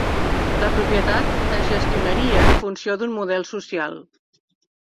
La propietat es gestionaria en funció d'un model social.